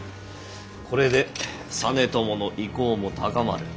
これで実朝の威光も高まる。